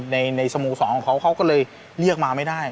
ในสโมสรของเขาเขาก็เลยเรียกมาไม่ได้